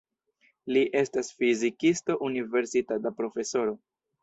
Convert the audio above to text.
Li estas fizikisto, universitata profesoro.